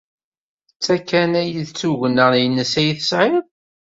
D ta kan ay d tugna-nnes ay tesɛiḍ?